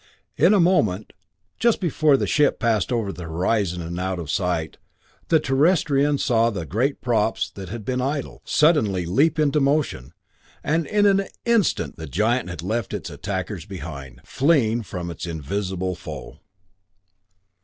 In a moment just before the ship passed over the horizon and out of sight the Terrestrians saw the great props that had been idle, suddenly leap into motion, and in an instant the giant had left its attackers behind fleeing from its invisible foe.